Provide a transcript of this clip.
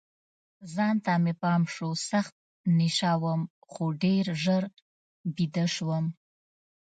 ځان ته مې پام شو، سخت نشه وم، خو ډېر ژر بیده شوم.